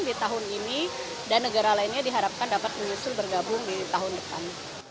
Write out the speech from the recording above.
di tahun ini dan negara lainnya diharapkan dapat menyusul bergabung di tahun depan